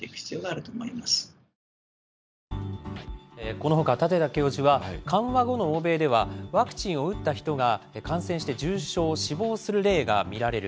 このほか舘田教授は、緩和後の欧米では、ワクチンを打った人が、感染して重症、死亡する例が見られる。